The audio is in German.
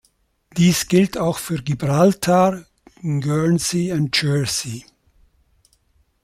Dies gilt auch für Gibraltar, Guernsey und Jersey.